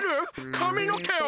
かみのけを！？